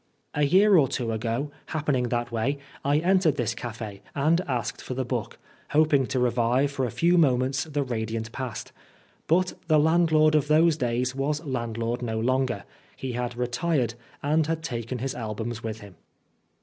A year or two ago, happening that way, I entered this cafe, and asked for the book, hoping to revive for a few moments the radiant past. But the landlord of those days was landlord no longer. He had retired, and had taken his albums with him.